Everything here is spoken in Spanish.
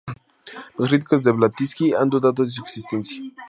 Los críticos de Blavatsky han dudado de su existencia.